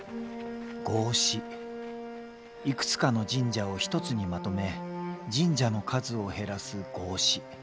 いくつかの神社を一つにまとめ神社の数を減らす合祀。